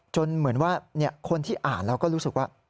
เหมือนว่าคนที่อ่านแล้วก็รู้สึกว่า